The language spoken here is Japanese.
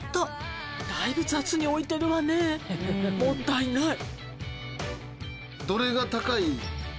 「だいぶ雑に置いてるわねもったいない」